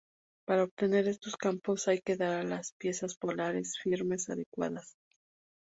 Para obtener estos campos hay que dar a las piezas polares formas adecuadas.